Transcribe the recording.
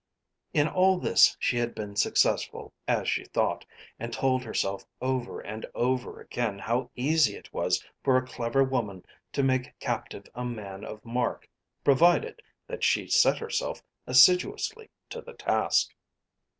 In all this she had been successful as she thought, and told herself over and over again how easy it was for a clever woman to make captive a man of mark, provided that she set herself assiduously to the task.